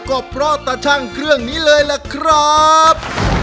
ก็เพราะตะชั่งเครื่องนี้เลยล่ะครับ